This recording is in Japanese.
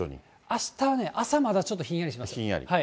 あしたは朝、まだちょっとひんやりします。